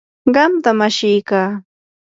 qamtam ashiykaa.